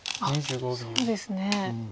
あっそうですね。